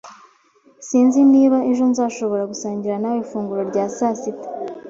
Sinzi niba ejo nzashobora gusangira nawe ifunguro rya sasita.